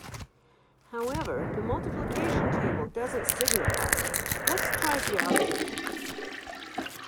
However, the Multiplication Table doesn’t signify: let’s try Geography.